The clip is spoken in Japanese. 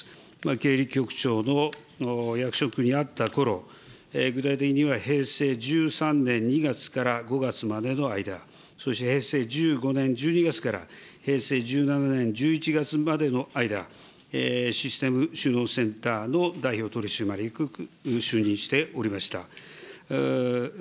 経理局長の役職にあったころ、具体的には平成１３年２月から５月までの間、そして、平成１５年１２月から平成１７年１１月までの間、システム収納センターの代表取締役に就任しておりました。